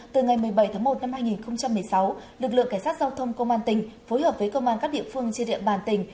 từ ngày một mươi bảy tháng một năm hai nghìn một mươi sáu lực lượng cảnh sát giao thông công an tỉnh phối hợp với công an các địa phương trên địa bàn tỉnh